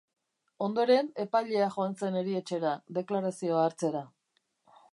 Ondoren, epailea joan zen erietxera, deklarazioa hartzera.